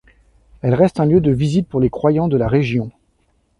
Elle reste un lieu de visite pour les croyants de la région.